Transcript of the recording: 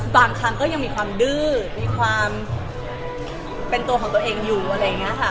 บางครั้งก็ยังมีความดื้อมีความเป็นตัวของตัวเองอยู่อะไรอย่างนี้ค่ะ